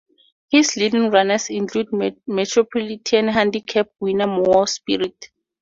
His leading runners include Metropolitan Handicap winner Mor Spirit.